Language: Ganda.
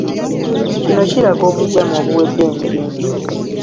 Kino kiraga obujama obuwedde emirimu.